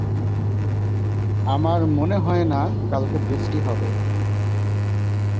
আমার মনে হয় না কালকে বৃষ্টি হবে।